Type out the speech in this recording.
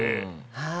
はい。